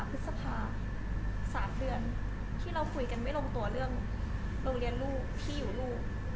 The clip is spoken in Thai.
พฤษภา๓เดือนที่เราคุยกันไม่ลงตัวเรื่องโรงเรียนลูกที่อยู่ลูก